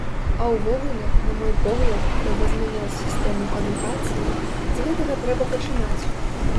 А ўвогуле, на мой погляд, трэба змяняць сістэму адукацыі, з гэтага трэба пачынаць.